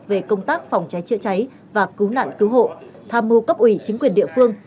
về công tác phòng cháy chữa cháy và cứu nạn cứu hộ tham mưu cấp ủy chính quyền địa phương